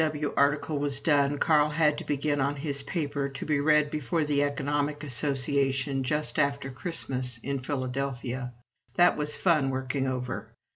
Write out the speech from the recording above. W. article was done, Carl had to begin on his paper to be read before the Economic Association, just after Christmas, in Philadelphia. That was fun working over.